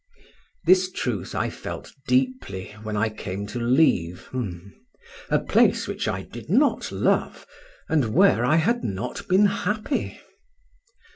This truth I felt deeply when I came to leave ——, a place which I did not love, and where I had not been happy.